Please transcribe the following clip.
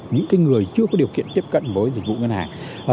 những người chưa có điều kiện tiếp cận với dịch vụ ngân hàng